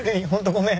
ごめん。